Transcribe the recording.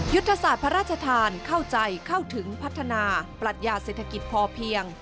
ยุทธศาสตร์พระราชทานเข้าใจเข้าถึงพัฒนาปรัชญาเศรษฐกิจพอเพียง